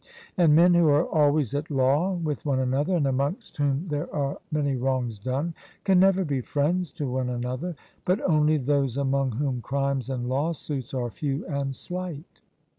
And men who are always at law with one another, and amongst whom there are many wrongs done, can never be friends to one another, but only those among whom crimes and lawsuits are few and slight.